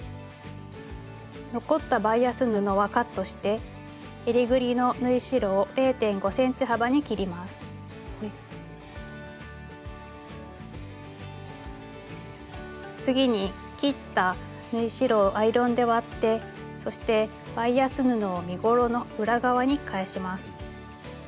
残ったバイアス布はカットしてえりぐりの次に切った縫い代をアイロンで割ってそしてバイアス布を身ごろの裏側に返します。